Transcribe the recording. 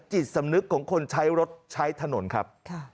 จิตสำนึกของคนใช้รถใช้ถนนครับ